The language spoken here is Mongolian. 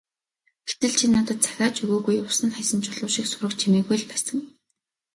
Гэтэл чи надад захиа ч өгөөгүй, усанд хаясан чулуу шиг сураг чимээгүй л байсан.